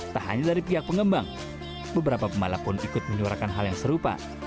tak hanya dari pihak pengembang beberapa pembalap pun ikut menyuarakan hal yang serupa